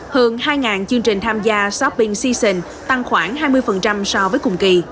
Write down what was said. hơn hai chương trình tham gia shopping seasion tăng khoảng hai mươi so với cùng kỳ